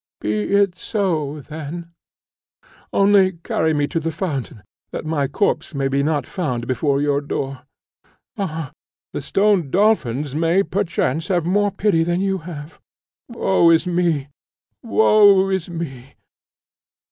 Be it so then! Only carry me to the fountain, that my corse may not be found before your door. Ha! the stone dolphins may, perchance, have more pity than you have. Woe is me! woe is me!